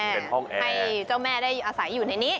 เป็นห้องให้เจ้าแม่ได้อาศัยอยู่ในนี้